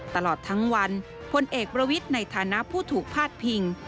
ตลอดทั้งวันพลเอกประวิทย์ในฐานะผู้ถูกพาดพิง